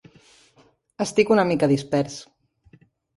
Estic una mica dispers.